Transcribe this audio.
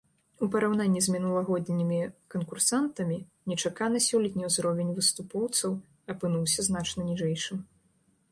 У параўнанні з мінулагоднімі канкурсантамі, нечакана сёлетні ўзровень выступоўцаў апынуўся значна ніжэйшым.